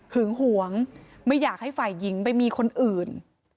หึงหวงไม่อยากให้ฝ่ายหญิงไปมีคนอื่น